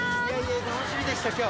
楽しみでした今日。